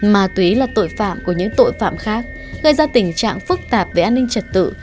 ma túy là tội phạm của những tội phạm khác gây ra tình trạng phức tạp về an ninh trật tự